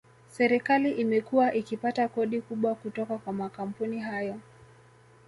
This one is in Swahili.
Serikali imekuwa ikipata kodi kubwa kutoka kwa makampuni hayo